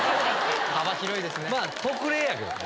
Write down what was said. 幅広いですね。